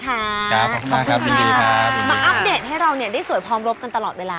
ครับมากครับยินดีครับยินดีค่ะมาอัปเดตให้เราเนี่ยได้สวยพร้อมรบกันตลอดเวลา